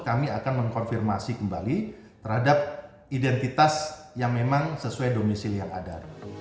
kami akan mengkonfirmasi kembali terhadap identitas yang memang sesuai domisili yang ada